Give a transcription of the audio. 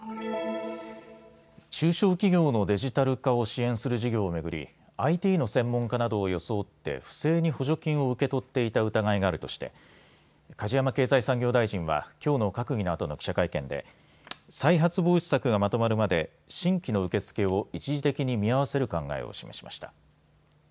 中小企業のデジタル化を支援する事業を巡り、ＩＴの専門家などを装って不正に補助金を受け取っていた疑いがあるとして梶山経済産業大臣は、きょうの閣議のあとの記者会見で再発防止策がまとまるまで新規の受け付けを一時的に見合わせる考えを示しました。